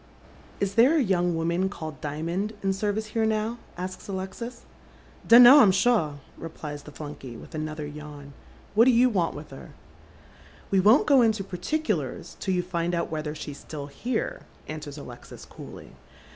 " Is there a young woman called Dimond in service here now ?" asks Alexis. "Dun know, I'm shaw," replies the flunkey, with another yawn. " What do you want with her ?"" We won't go into particulars till you find out whether she's fitill here," answers Alexis, coolly.